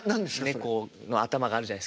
猫の頭があるじゃないですか。